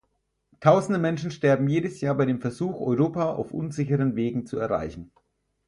Tausende Menschen sterben jedes Jahr bei dem Versuch, Europa auf unsicheren Wegen zu erreichen.